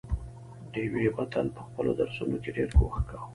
ډېوې به تل په خپلو درسونو کې ډېر کوښښ کاوه،